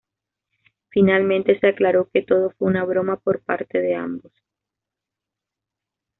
Finalmente se aclaró que todo fue una broma por parte de ambos.